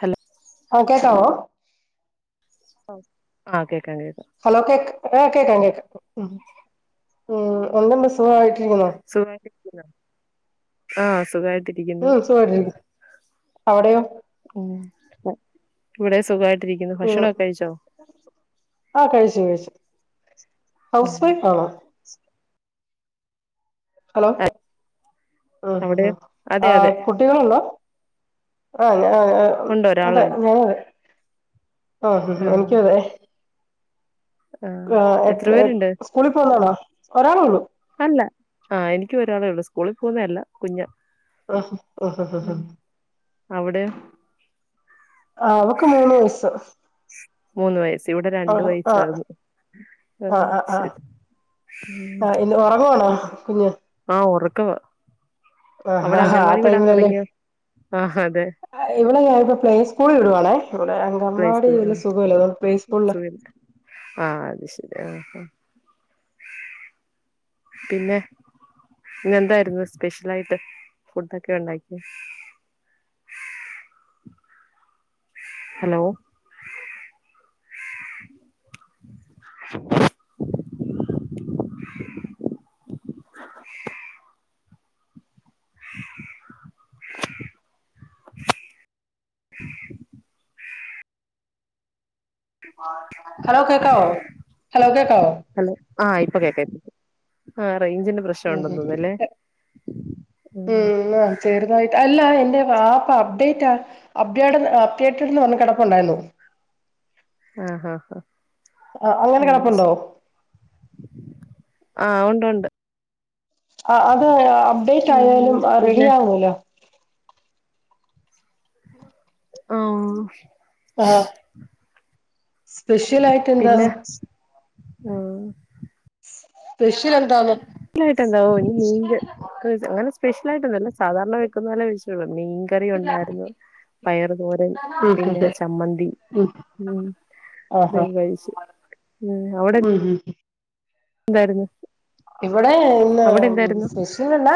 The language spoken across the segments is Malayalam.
ഹലോ ആ കേക്കാവോ ആ കേക്കാം കേക്കാം ഹലോ കേക്ക ആ കേക്കാം കേക്കാം ഉം എന്തോണ്ട് സുഖയിട്ടിരിക്കുന്നോ ആ സുഖവായി ഉം സുഖയിട്ടിരി അവിടെയോ ഇവിടേം സുഖയി ഉം ആ കഴിച്ചു കഴിച്ചു ഹൗസ് ഉം വൈഫ് ആണോ ഹലോ ഹും അവിടെ ഹും അതെ ആ അതെ കുട്ടികളുണ്ടോ ആ ഞാൻ ഉണ്ട് അതെ ഒരാളുണ്ട് ഞാനതെ ആ ഹും ഹും എനിക്കു ആഹ് അതെ ആഹ് ആ എത്ര എ പേരുണ്ട് സ്കൂളിൽ പോവുന്നാണോ ഒരാളെ ഉള്ളു അല്ല ആ എനിക്കും ഒരാളേ ഉള്ളു സ്കൂളിൽ പോകുന്നെ അല്ല കുഞ്ഞ ആ ഹ ഹാ ഹാ അവിടെ ആ അവൾക്ക് മൂന്ന് വയസ്സ് മൂന്ന് വയസ് ഇവിടെ ആ രണ്ട ആ വയസ്സാകുന്നു ആ ശരി ആ ഇന്ന് ഉറങ്ങുവാണോ കുഞ്ഞ് ആഹ് ഉറക്കവാ ആ അവിടെ ആ ആ അംഗൻവാടി വിടാൻ ടൈമിനന്നേ തുടങ്ങിയോ ആഹ് അതെ ആ ഇവളെ ഞാനിപ്പോ പ്ലേ സ്കൂളിൽ വിടുവാണേ ഇവിടെ പ്ലേ അങ്കൻവാടി സ്കൂൾ ആ വല്യ സുഖമില്ല അതുകൊണ്ട് പ്ലേ സ്കൂളില് ആ അത് ശരി ആ അ പിന്നെ ഇന്നെന്തായിരുന്നു സ്പെഷ്യലായിട്ട് ഫുഡൊക്കെ ഉണ്ടാക്കിയെ ഹലോ ഹലോ കേക്കാവോ ഹലോ കേക്കാവോ ഹലോ ആ ഇപ്പൊ കേക്കാം ആ റേഞ്ചിന്റെ പ്രശ്നം ഉം ഉണ്ടന്ന് തോന്ന്ന്നല്ലേ ഉം ആ ചെറുതായിട്ട് അല്ല എന്റെ വാപ്പ അപ്ഡേറ്റാ അഭ്യേട്ടൻ തിയേറ്റർന്ന് വന്ന് കെടപ്പുണ്ടായിരുന്നു ആ ഹ ഹ ആഹ് അങ്ങനെ ആ ന്ന കിടപ്പുണ്ടോ ശരി ആ ഉണ്ട് ഉണ്ട് ആ അത് അപ്ഡേറ്റ് ഉം ആയാലും റെഡി പിന്നെ ആകൂലാ ആ ആ സ്പെഷ്യലായിട്ട് എന്താ പിന്നെ ആ സ്പെഷ്യൽ എന്താന്ന് ലായിട്ടെന്താ ഇന്ന് മീൻകറി അങ്ങനെ സ്പെഷ്യലായിട്ടൊന്നല്ല സാദാരണ വെക്കുന്നോലെ വെച്ച്ട്ടൊള്ളു മീൻകറി ഉണ്ടായിരുന്നു പയറു തോരൻ ഉം പിന്നെ ഉം ചമ്മന്തി ഉം ഉം ആഹ് അതെ ആഹ് കഴിച്ചു ഉം അവിടെ ഉം ഉം എന്താര്ന്നു ഇവിടെ ഇന്ന് സ്പെഷ്യലല്ലാ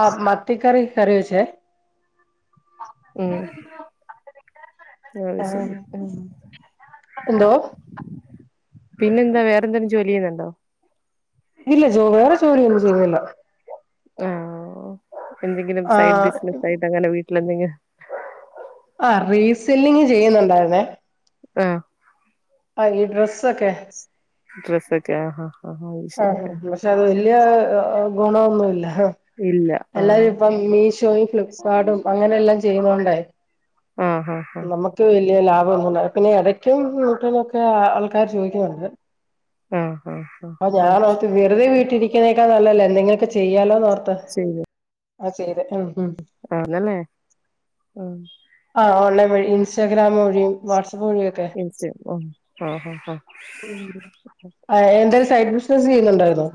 ആ മത്തിക്കറി കറിയൊയ്ച്ചേ ആ ശരി ഉം എന്തോ പിന്നെന്താ വേറെന്തേലും ജോലി ചെയ്യുന്നുണ്ടോ ഇല്ല ജോ വേറെ ജോലിയൊന്നും ചെയ്യ്ണില്ല ആ എന്തെങ്കിലും ആ സൈഡ് ബിസിനസായിട്ട് അങ്ങനെ വീട്ടിലെന്തെങ്കിലും ആ റീസെല്ലിങ് ചെയ്യുന്നുണ്ടായിരുന്നേ ആ ആ ഈ ഡ്രസ്സൊക്കെ ഡ്രസ്സൊക്കെ ആഹാ ആ പക്ഷെ അത് വല്ലൃ ഗുണൊന്നുമല്ല ഇല്ല എല്ലാരും ആഹ് ഇപ്പം മീഷോയും ഫ്ലിപ്കാർട്ടും അങ്ങനെ എല്ലാം ചെയ്യ്ണോണ്ടേ ആ ഹ ഹാ ലാഭം ഒന്നുല്ല പിന്നെ ഇടയ്ക്ക് വിട്ട്ന്നൊക്കെ ആൾക്കാര് ചോയ്ക്കുന്നുണ്ട് ആ ആ ഞാൻ ഓർത്ത് വെറുതെ വീട്ടിരിക്കിണേക്കാ നല്ലതല്ലേ എന്തെക്കിലൊക്കെ ചെയ്യാലോന്ന് ഓർ ശരി ആ ചെയ്ത് ഉം ഉം ആണല്ലേ ഉം ആ ഓളെ ഇസ്റ്റാഗ്രാം വഴിയും വാട്സ [unintelligible] ആ ആ ആ [inaudible] എന്തേലും സൈഡ് ബിസിനസ് ചെയ്യുന്നുണ്ടായിരുന്നോ?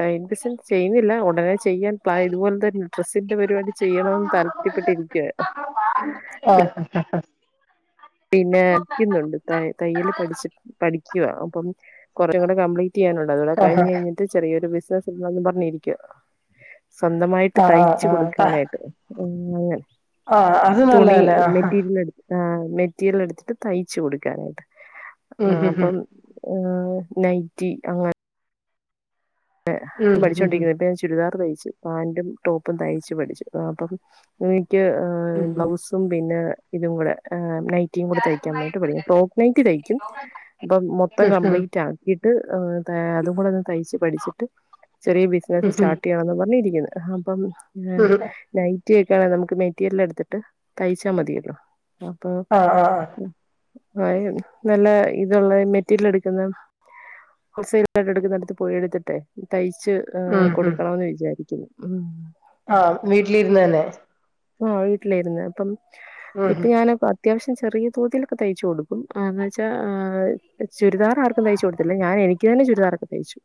സൈഡ് ബിസിനസ് ചെയ്യുന്നില്ല ഉടനെ ചെയ്യാൻ പ്ലാ ഇതുപോലെ തന്നെ ഡെസിന്റെ പരിപാടി ചെയ്യണന്ന് താല്പര്യപ്പെട്ടിരിക്കുവായി ആ പി പിന്നെ പഠിക്കുന്നുണ്ട് തയ്യൽ പഠിച്ച പഠിക്കുക അപ്പം കുറേ കൂടെ കംപ്ലീറ്റ് [unintelligible] അതോടെ കഴിഞ്ഞഞ് ആ കഴിഞ്ഞിട്ട് ചെറിയ ഒരു ബിസിനസ്ന്ന് ഇടണോന്ന് പറഞ്ഞിരിക്കുക. സ്വന്തമായിട്ട് ആ തയ്ച് ആ ആ കൊടുക്കാനായിട്ട് അ ആ അത് തുണി നല്ലതല്ലേ ആ മെറ്റീരിയൽ എടുക്ക ആ മെറ്റീരിയൽ എടുത്തിട്ട് തയ്ച്ചു കൊടുക്കാനായിട്ട് ഉം ആ ഉം അപ്പം നൈറ്റി അങ്ങെ ഉം ഉം [unintelligible] ഉം പഠിച്ചൊണ്ടിരിക്കുന്നത് ഇപ്പ ഞാൻ ചുരിദാർ തൈ പാന്റും ടോപ്പും തയ്ച്ച് പഠിച്ചു അ ് [unintelligible] ഉം ബ്ലൗസും പിന്നെ ഇതും കൂടെ ഏ നൈറ്റിം കൂടെ തയ്ക്കാൻ വേണ്ടീട് പഠിക്ക ഫ്രോക്ക് നൈറ്റി തയ്ക്കും അപ്പ മൊത്തം ഉം ഉം കംപ്ലീറ്റ് ആക്കി് [unintelligible] അതും കൂടെ ഒന്ന് തയ്ച്ച് പഠിച്ചിട്ട് ചെറിയ ബിസിനസ് ഉം സ്റ്റാർട്ട് ചെയ്യണംന്ന് പറഞ്ഞിരിക്കുന്നത്. അപ്പം ഉം ഉം നൈറ്റിഒക്കെ നമുക്ക് മെറ്റീരിയൽ എടുത്തിട്ട് തയ്ച്ചാ മതിയല്ലോ. അപ്പൊ ആ ആ ആ [unintelligible] നല്ല ഇതുള്ള മെറ്റീരിയൽ എടുക്കുന്ന [unintelligible] പോയി എടുത്തിട്ടെ. തയ്ച്ച് ഉം ഉം കൊടുക്കണന്ന് വിചാരിക്കുന്നു മ്. ആ വീട്ടിലിരുന്ന് തന്നെ. ആ വീട്ടിലായിരുന്നു അപ്പം ഉം ഇപ്പൊ ഞാൻ അത്യാവശ്യം ചെറിയ തോതിലൊക്കെ തയ്ച്ചു കൊടുക്കുംന്ന് വെച്ചാൽ ചുരിദാർ ആർക്കും തയ്ച്ചു കൊടുത്തില്ല ഞൻ എനിക്ക് തന്നെ ചുരിദാറൊക്കെ തയ്ച്ചു.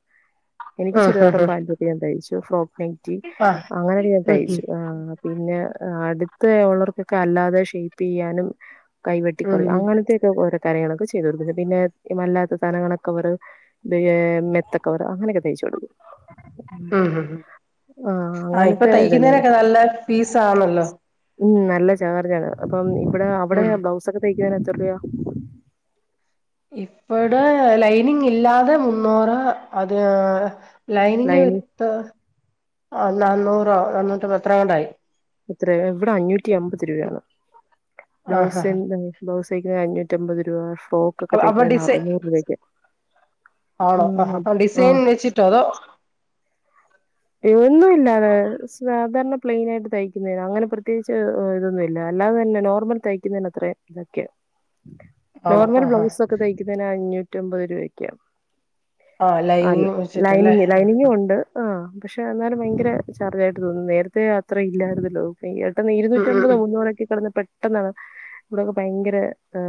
എനിക്ക് ആഹ് ആഹ് ചുരിദാറുംപാന്റൊക്കെ തയ്ച്ചു ഫ്രോക്ക് നൈറ്റി ആഹ് അങ്ങനെ ഒക്കെ തയിച്ചു ആ പിന്നെ അടുത്ത് ഒള്ളാർക്കൊക്കെ അല്ലാതെ ഷേപ്പ് ചെയ്യാനും കൈവെട്ടി ഉം കുറക്കാനും ഉം അങ്ങനത്തെൊക്കെ [unintelligible] കാര്യങ്ങളൊക്കെ ചെയ്ത് കൊടുക്കുന്നത് പിന്നെ അല്ലാത്ത സധനങ്ങളൊക്കെ അവർ മെത്ത അങ്ങനൊക്കെ തയ്ച്ചുടുക്കും. ഉ ആഹ് ആ ഇപ്പൊ അങ്ങനത്തെ തയ്ക്കുന്നേ ഇതെല്ലാം നൊക്കെ നല്ല ഫീസ ആണല്ലോ? ഉം നല്ല ചാർജാ അപ്പം ഇവിടെ അവിടെ ഉം ബ്ലൗസ് ഒക്കെ തയ്ക്കാൻ എത്ര രൂ ഇപ്പടെ ലൈനിങ് ഇല്ലാതെ മുന്നൂറ് അത് ലൈനിങ് വിത്ത് ആ നാന്നൂറോ നന്നൂറ്റി പത്രങ്ങണ്ടയി. ഇത്ര ഇവിടെ അഞ്ഞൂറ്റി അമ്പത് രൂപയാണ് ആഹ് ആഹ് ബ്ലൗസി് ത അഞ്ഞൂറ്റമ്പത് രൂപ ഫ്രോക്ക് ഒക്കെ അപ്പൊ തയ്ക്കുന്നതിന് ഡിസൈ അറുന്നൂറ് രൂപഒക്കെ ആണോ ആ ആ ഡിസൈൻ വെച്ചിട്ടോ അതോ ഒന്നുമില്ലാതെ സാധാരണ പ്ലെയിൻ ആയിട്ട് തയ്ക്കുന്ന അങ്ങനെ പ്രത്യേകിച്ച് ഇതൊന്നുമില്ല. അല്ലാതെ തന്നെ നോർമൽ തയ്ക്കുന്നതി അത്ര ഇതൊക്കെ ആണോ നോർമൽ ആഹ് ആഹ് ബ്ലൗസ് ഒക്കെ തയ്ക്കുന്നതിന് അഞ്ഞൂറ്റമ്പത് രൂപക്കാ ആഹ് അല്ല ലൈനിങ് വെച്ചിട്ടല്ലേ ലൈനിങ് ലൈനി ങ്ങുണ്ട്. ആഹ പക്ഷെ എന്നാലും ഭയങ്കര ചാർജായിട്ട് തോന്നുന്നു നേരത്തെ അത്ര ഇല്ലായിരുന്നല്ലോ? ഇ പെട്ടെന്ന് ഉം ഉം ഇരുന്നൂറ്റമ്പത് ഉം മുന്നൂറൊക്കെ കിടന്ന് പെട്ടെന്നാണ് ഇവിടൊക്കെ ഭയങ്കര ആ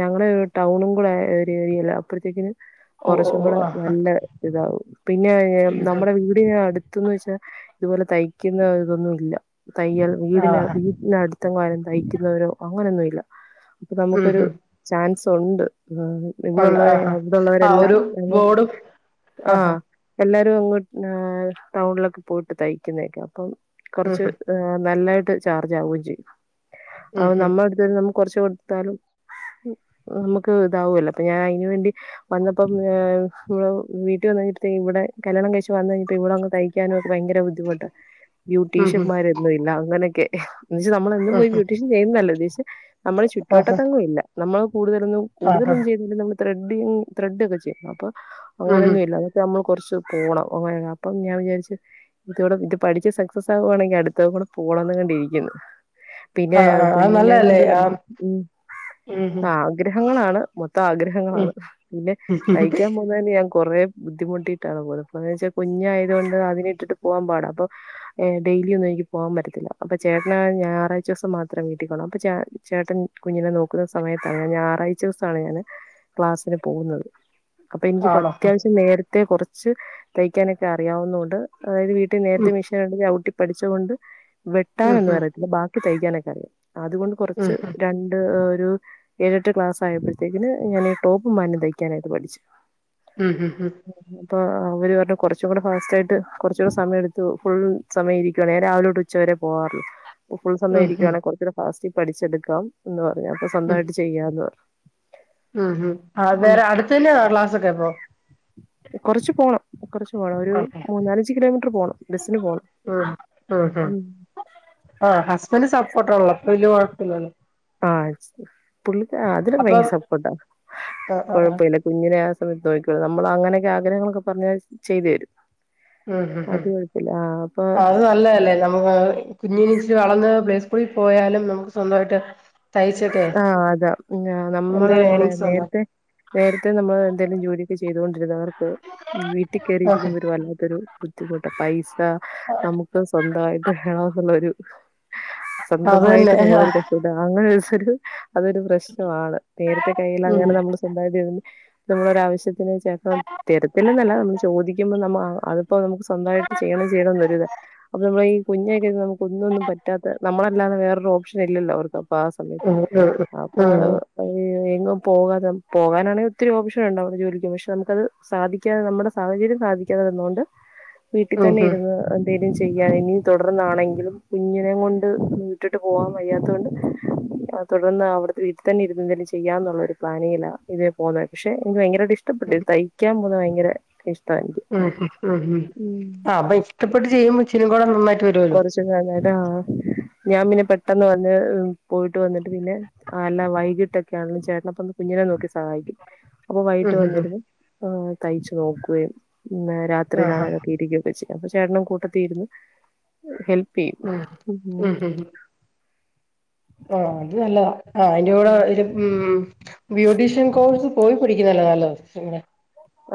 ഞങ്ങള് ടൗണും കൂടെ ഒരു ഏരിയയില അപ്പഴത്തേക്കിന് ഓഹ് കുറച്ചും ഓഹ് കൂടെ ഓഹ് ആഹ് നല്ല ഇതാവും പിന്നെ ഉം നമ്മുടെ വീടി അടുത്ത്ന്ന് വെച്ച ഇതുപോലെ തയ്ക്കുന്ന ഇതൊന്നും ഇല്ല. തയ്യൽ ഉം വീടിന് ആഹ് വീടിനടുത്തെങ്ങും തയ്ക്കുന്നവരോ അങ്ങനെയൊന്നുമില്ല. അപ്പൊ ഉം നമുക്കൊരു ഉം ചാൻസ് ഉണ്ട്. ആ ഉണ്ട് ഇവിടെള്ളവരെ ആഹ് ആഹ് ആഹ് അവിടെള്ളവരെല്ലാം ഒരു ബോർഡും ആ ആഹ് എല്ലാര ടൗണിലൊക്കെ പോയിട്ട് തയ്ക്കുന്നക്ക അ അപ്പം ഉം കുറച്ച് നല്ല ചാർജ് ആവുകയും ചെയ്യും ഉം അപ്പ നമ്മളടുത് വരുമ്പോ കൊറച്ച് കൊടുത്താലും നമുക്ക് ഇതാവല്ലോ അപ്പ ഞാൻ അയിന് വേണ്ടി വന്നപ്പം വീട്ടിൽ വ ഇവിടെ കല്യാണം കഴിച്ച് വന്ന കഴിഞ്ഞപ്പോ ഇവിടെ ഒന്നും കഴിക്കാനോ ഭയങ്കര ബുദ്ധിമുട്ട് ഉം ഉം ഉം ബ്യൂട്ടീഷന്മാരൊന്നുംല്ല അങ്ങനെക്കെ എന്നുവെച്ച് നമ്മള് എന്നും പോയി ബ്യൂട്ടീഷ്യൻ ചെയ്യുന്നല്ല ഉദേശിച്ചേ നമ്മള് ആഹ് ചുറ്റുവട്ടത്തെങ്ങും ഇല്ല നമ്മള് കൂടുതലൊന്നും ആഹ് കൂടുതലൊന്നും ചെയതില്ലെകിലും നമ്മൾ ത്രെഡിങ് ത്രഡ് ഒക്കെ ചെയ്യും അപ്പോ ഉം അങ്ങനെയൊന്നും ഇല്ല എന്നിട്ട് നമ്മള് കൊറച്ച് പോണം ഓ അപ്പം ഞാൻ വിചാരിച്ചു ഇവിടെ ഇത് പഠിച്ച് സക്സസ് ആവുകവാണെങ്കിൽ അടുത്ത കൂടെ പോണം ണ്ടിരിക്കുന്നു പിന്നെ ആഹ് ആഹ് അത് കുഞ്ഞിനെ നല്ലതല്ലേ കൊണ്ട് നമുക്ക് ആഹ് ഉം ഉം ഉം ആഗ്രഹങ്ങളാണ് മ ആഗ്രഹങ്ങളാണ് പിന്നെ ഉം തയ്ക്കാൻ പോന്നതിന് ഞാൻ കൊറെ ബുദ്ധിമുട്ടി അന്ന് വെച്ചാൽ കുഞ്ഞു ആയതുകൊണ്ട് അതിനെ ഇട്ടിട്ട് പോവാൻ പാട അപ്പൊ ഡെയിലി ഒന്നും എനിക്ക് പോവാൻ പറ്റത്തില്ല അപ്പൊ ചേട്ടന ഞായറാഴ്ച ദിവസം മാത്രം വീട്ടിൽക്കണം അപ്പൊ ചേട്ടൻ കുഞ്ഞിനെ നോക്കുന്ന സമയത്താണ് ഞാൻ ഞായറാഴ്ച ദിവസമാണ് ഞാന് ക്ലാസ്സിന് പോന്നത് അപ്പൊ എനിക്ക് ആണോ അത്യാവശ്യം നേരത്തെ കൊറച്ച് തയ്ക്കാനൊക്കെ അറിയാവുന്ന കൊണ്ട് അതായത് വീട്ടിൽ ഉം നേരത്തെ മെഷീൻണ്ടെങ്കിൽ ഔട്ടി പഠിച്ച കൊണ്ട് ഉം വെട്ടാനൊന്നും ഉം അറിയത്തില്ല ബാക്കി തയ്ക്കാനൊക്കെ അറിയാം അതുകൊണ്ട് കുറച്ച് ഉം രണ്ട് ഒരു ഏഴെട്ട് ക്ലാസ് ആയപ്പോഴത്തേക്കന് ഞാൻ ഈ ടോപ്പ് പാന്റും ന് തയ്ക്കാനായിട്ട് പഠിച്ചു ഉം ഉം ഉം അപ്പോ അവര് പറഞ്ഞു കൊറച്ചും കൂടെ ഫാസ്റ്റായിട്ട് കുറച്ചും കൂടി സമയ എടുത്തു ഫുൾ സമയം ഇരിക്കുവാണേ ഞാൻ രാവിലോട്ട് ഉച്ചവരെ പോവാറൊള്ളു ഫുൾ ഉം സമയംയിരിക്കുവാണെ കുറച്ചുകൂടി ഫാസ്റ്റിൽ പഠിച്ചെടുക്കാം എന്ന് പറഞ്ഞു അപ്പോ ഉം സ്വന്തയിട്ട് ചെയ്യാന്ന് പറഞ്ഞു ഉം ഉം ഉം അന്നേരം അടുത്തന്നെയാണോ ക്ലാസ്സൊക്കെ അപ്പോ കുറച്ച് പോണം കുറച്ച് പോണം ഒരു ആഹ് മൂന്നാലഞ്ച് കിലോമീറ്റർ പോണം ബസിന് പോണം ആഹ ഹസ്ബൻഡ് സപ്പോർട്ടാണല്ലോപ്പൊ വല്യ കൊഴപ്പില്ലല്ലോ ആഹ പുള്ളിക്ക് അതിലു അപ്പം ഭയങ്കര സപ്പോട്ടാ ആഹ് ആഹ് ആഹ് കൊഴപ്പമില്ല കുഞ്ഞിനെ നോയിക്കോളും നമ്മള് അങ്ങനെയൊക്കെ ആഗ്രഹങ്ങളൊക്കെ പറഞ്ഞാൽ ചെയ്തു തരും ഉം ഉം അത് കുഴപ്പമില്ല ആഹ് അപ്പൊ അത് നല്ലതല്ലേ നമ്മുക്ക് കുഞ്ഞിനിച്ചിരി വളർന്ന പ്ലേ ളിൽ പോയാലും നമുക്ക് സ്വന്തയിട്ട് ആഹ അതാ നമ്മള എന്തെങ്കിലും എന്താ പറയാ ഏണിങ്സ് നേരത്തെ ഉണ്ടാക്കാം നേരത്തെ നമ്മൾ എന്തെലും ജോലിയൊക്കെ ചെയ്തുകൊണ്ട് ക്ക് വീട്ടിൽ ആഹ് കറിയിരിക്കുമ്പോ വല്ലാത്തരു ബുദ്ധിമുട്ട പൈസ നമുക്ക് സ്വന്തമായിട്ട് വേണം എന്നുള്ളരു അതന്നെ സ്വന്തമായിട്ട് നമ്മളൊരു [unintelligible] അങ്ങനെ [unintelligible] അതൊരു പ്രശ്നമാണ് നേരത്തെ കയ്യിൽ ഉം അങ്ങനെ നമ്മൾ സ്വന്തമായി നമ്മളൊരവശ്യത്തി ഇനി ചേട്ടനോട്‌ തെരത്തില്ലെന്നല്ല ചോദിക്കുമ്പൊ നമ്മ അത് ഇപ്പൊ നമുക്ക് സ്വന്തായിട്ട് ചെയ്യണം ചെയ്യണംന്നൊരിത് അപ്പ നമ്മള് ഈ കുഞ്ഞായി കഴിഞ്ഞ് നമുക്ക് ഒന്നുംഒന്നും പറ്റാത്ത നമ്മളെല്ലാ പ്പൊ വേറൊരു ഓപ്ഷനില്ലല്ലോ അവർക്ക് അപ്പോ ആ സമയ ഉം ഉം അപ്പൊ ആ ഉം ഉം അയ്‌ ഏങ്ങും പോകാതെ പോകാനാണെങ്കിൽ ഒത്തിരി ഓപ്ഷൻ ഒണ്ട് ജോലിക്ക് പക്ഷെ നമുക്കത് സാധിക്കാത നമ്മുടെ സാഹചര്യ ഇത് സാധിക്കാതെ വന്നോണ്ട് വീട്ടി തന്നെ ഉം ഇരുന്ന് എന്തേലും ഇതിന് ചെയ്യാൻ ഇനി തൊടർന്നാണെങ്കിലും കുഞ്ഞിനെ കൊണ്ട് ഇട്ടിട്ട് പോവാൻ വയ്യാത്തോണ്ട് തുടർന്ന് അവിടത്തെ വീട്ടിതന്നെ ഇരുന്നെന്തെങ്കിലും ചെയ്യാന്നുള്ളൊരു പ്ലാനിങ്ങില ഇതേ പോലെ ക്ഷെ എനിക്ക് ഭയങ്കര ടി ഇഷ്ടപ്പെട്ട് തയ്ക്കാൻ പോന്ന് ഭയങ്കര ഇഷ് ഉം ഉം ഉം ഉം ആ അപ്പൊ ഇഷ്ടപ്പെട്ട് ചെയ്യുമ്പോ ഇച്ചിരികൂടെ നന്നായി കൊറച്ചും കയ്ഞ്ഞടാ ഞാം പിന്നെ പെട്ടെന്ന് വന്ന് പോയിട്ട് വന്നിട്ട് പിന്നെ ആ എല്ലാം വൈകിട്ടൊക്കെ ആണെങ്കിലും ചേട്ടപ്പ കുഞ്ഞിനെ നെ നോക്കി സഹായിക്കും അപ്പൊ വൈകിട്ട് ഉം ഉം ഉം വന്നിരുന്നു ഉ തയ്ച്ചു നോക്കുകയും ആ ആ രാത്രിയിലാണലൊക്കെ ഇരിക്കുകയൊക്കെ ചെയ്യും അപ്പൊ ചേട്ടനും കൂട്ടത്തീര്ന്ന് ഹെൽ ആ ഉ ഹും ആ അത് നല്ലതാ ആ അയിന്റെ കൂടെ ഒരു ഉം ബ്യൂട്ടീഷ്യൻ കോഴ്സ് പോയി പഠി ക്ക്‌ നല്ലതാല്ലോ പിന്നെ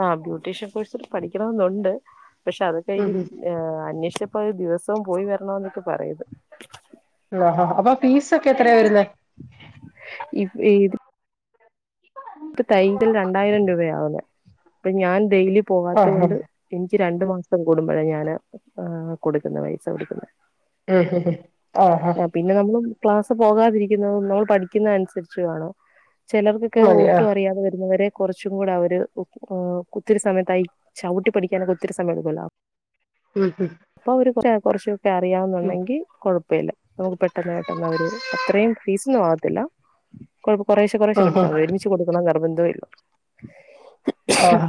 ആ ബ്യൂട്ടീഷ്യൻ കോഴ്സ് പഠിക്കണമെന്നുണ്ട് പക്ഷെ ഉം അതൊക്കെയിന് ഉം ഹ് അന്വേഷി നിപ്പൊത് ദിവസവും പോയി വരണോന്നൊക്ക പറയത് ആ ആ അപ്പൊ ഫീസൊക്കെ എത്രയാ വരുന്നെ? പ്പ [unintelligible] രണ്ടായിരം രൂപയാവുന്നേ അപ്പൊ ഞാൻ ഡെയിലി ആ ആ ഉം പോവാത്തോണ്ട് ഇഞ്ച് രണ്ടു മാസം കൂടുമ്പഴ ഞാന് കൊടുക്കുന്നെ പൈസ കൊടുക്കുന്നെ ഉം ഹ് ഹ് ആഹ് പിന്നെ നമ്മൾ ക്ലാസ് പോകാതിരിക്കുന്ന് [unintelligible] പഠിക്കുന്ന അനുസരിച്ച് ആണോ ചെലർക്കൊക്കെ ഉ മതി ആ ഒട്ടും അറിയാതെ വരുന്നവരെ കൊറച്ചും കൂടെ അവര് ഒ കുത്തിരി സമയത്തായി ചവിട്ടി പഠിക്കാനൊക്ക ഒത്തിരി സമയം എടുക്കലൊ ഉം ഉം പ്പ ഒരു കുറചു ഉം അറിയാവുന്നുണ്ടെങ്കി കൊഴപ്പല്ല നമുക്ക് പെട്ടെന്ന് പെട്ടെന്ന് അ ഒര് അത്രയും ഫീസ് മാ ടല കൊറേശെ കൊറേശ്ശെ ആ കൊടുത്താ മതി ഒരുമിച്ച് കൊടുക്കണ നിർബന്ധോ [inaudible] ആഹ്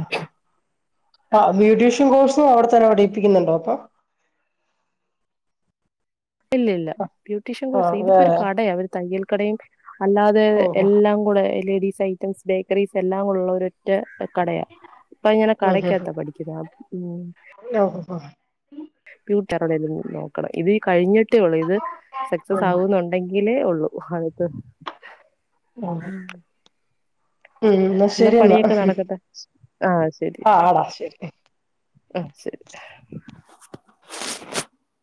ആഹ് ബ്വീട്ടീഷ്യൻ കോഴ്സും അവിടെ തന്നെപ്പടിപ്പിക്കുണ്ടോ പ്പ ഇല്ല ല്യ ബ്യൂട്ടീഷ്യൻ ആ കോഴ്സ് ഇതിപ്പൊ രു വേറെ കടയാ ഒര് തയ്യൽ കടയും അല്ലാതെ ഓ ഓ എല്ലാം കൂടെ ലേഡീസ് ഐറ്റംസ് ബേക്കറീസ് എല്ലാം ഒള്ളൊരു ഒറ്റ കടയാ അപ്പങ്ങനെ ഉം കടക്കാത്താ പഠിക്കുന്നെ ഉം ഉം ഉം ഓ [unintelligible] നോക്കണം ഇത് കഴിഞ്ഞിട്ടേ ഒള്ളൂ ഇത് ഓ സക്സസ് ഉം ആവുന്നുണ്ടെങ്കിലേ ഒള്ള് [unintelligible] ഉം [unintelligible] എന്നാ പണിയൊക്കെ നടക്കട്ടെ ആഹ് ശരി ആ ആടാ ശരി [unintelligible]